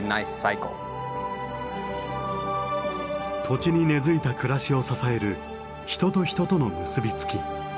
土地に根づいた暮らしを支える人と人との結び付き。